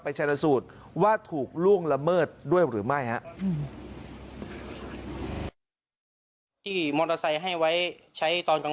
ไปใช้นัดสูตรว่าถูกล่วงละเมิดด้วยหรือไม่ฮะ